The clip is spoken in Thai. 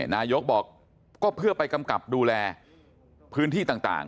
นายกบอกก็เพื่อไปกำกับดูแลพื้นที่ต่าง